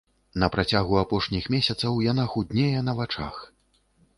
На працягу апошніх месяцаў яна худнее на вачах.